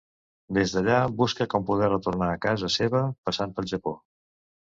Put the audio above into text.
Des d'allà busca com poder retornar a casa seva, passant pel Japó.